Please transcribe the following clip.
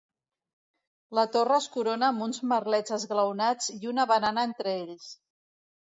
La torre es corona amb uns merlets esglaonats i una barana entre ells.